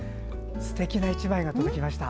すてきな１枚が届きました。